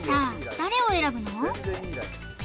誰を選ぶの？